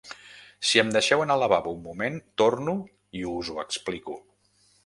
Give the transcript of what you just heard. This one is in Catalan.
Si em deixeu anar al lavabo un moment, torno i us ho explico!